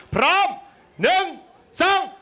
พร้อม๑๒